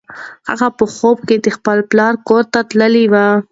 هغه په خوب کې د خپل پلار کور ته تللې وه.